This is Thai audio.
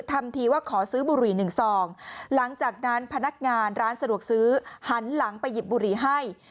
ทำทีว่าขอซื้อบุหรี่หนึ่งซองหลังจากนั้นพนักงานร้านสะดวกซื้อหันหลังไปหยิบบุหรี่ให้